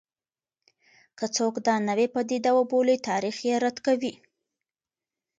که څوک دا نوې پدیده وبولي، تاریخ یې رد کوي.